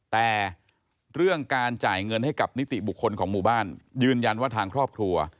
แต่เรื่องการจ่ายเงินให้กับนิติบุคคลของหมู่บ้านยืนยันว่าทางครอบครัว